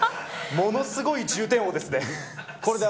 ものすごい重低音ですね。